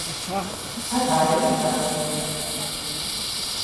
Pattaya United